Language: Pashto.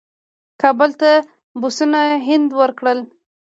کابل ته بسونه هند ورکړل.